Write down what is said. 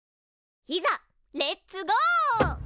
いざレッツゴー！